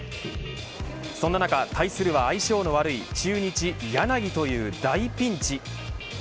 そんな中、対するは相性の悪い中日柳という大ピンチ。